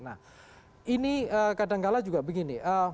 nah ini kadangkala juga begini